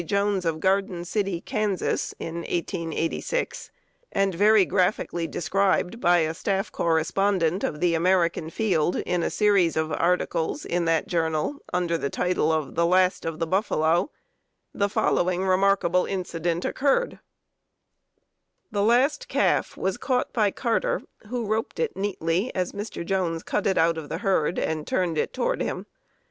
Jones of Garden City, Kans., in 1886, and very graphically described by a staff correspondent of the American Field in a series of articles in that journal under the title of "The Last of the Buffalo," the following remarkable incident occurred: [Note 41: American Field, July 24, 1886, p. 78.] "The last calf was caught by Carter, who roped it neatly as Mr. Jones cut it out of the herd and turned it toward him.